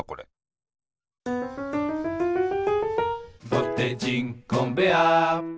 「ぼてじんコンベアー」